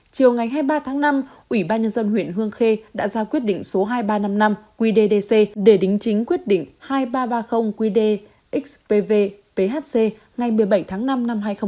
chiều ngày hai mươi ba tháng năm ủy ban nhân dân huyện hương khê đã ra quyết định số hai nghìn ba trăm năm mươi năm qdc để đính chính quyết định hai nghìn ba trăm ba mươi qd xpvc ngày một mươi bảy tháng năm năm hai nghìn hai mươi